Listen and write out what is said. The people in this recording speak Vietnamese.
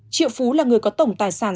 triệu phú là người có tổng tài sản